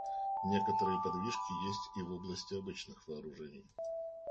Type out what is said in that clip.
Некоторые подвижки есть и в области обычных вооружений.